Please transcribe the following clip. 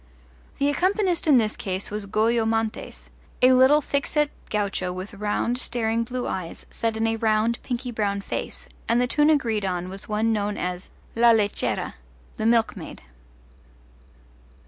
The accompanist in this case was Goyo Montes, a little thick set gaucho with round staring blue eyes set in a round pinky brown face, and the tune agreed on was one known as La Lechera the Milkmaid.